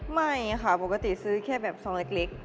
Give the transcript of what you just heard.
ไม่ค่ะปกติซื้อแค่แบบซองเล็ก